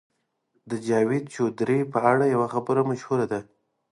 د جاوید چودهري په اړه یوه خبره مشهوره ده.